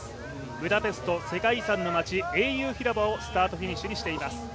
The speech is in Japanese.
ブダペスト世界遺産の街英雄広場をスタートフィニッシュとしています。